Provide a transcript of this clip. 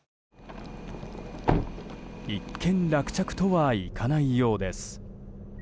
一件落着とはいかないようです。